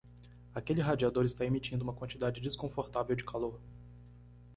Aquele radiador está emitindo uma quantidade desconfortável de calor.